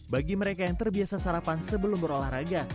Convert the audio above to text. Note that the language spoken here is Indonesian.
bagi mereka yang terbiasa sarapan sebelum berolahraga